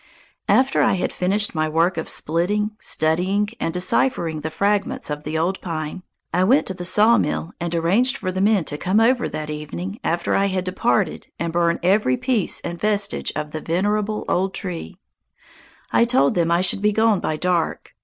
After I had finished my work of splitting, studying, and deciphering the fragments of the old pine, I went to the sawmill and arranged for the men to come over that evening after I had departed and burn every piece and vestige of the venerable old tree. I told them I should be gone by dark.